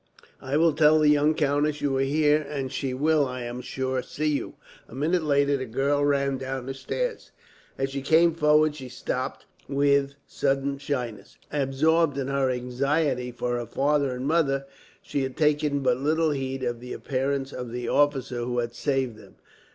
"I will tell the young countess you are here; and she will, I am sure, see you." A minute later, the girl ran down the stairs. As she came forward she stopped, with sudden shyness. Absorbed in her anxiety for her father and mother, she had taken but little heed of the appearance of the officer who had saved them.